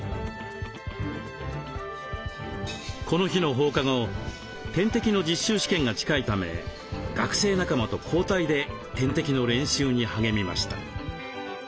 この日の放課後点滴の実習試験が近いため学生仲間と交代で点滴の練習に励みました。